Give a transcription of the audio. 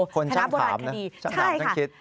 คนช่างคิดใช่ค่ะ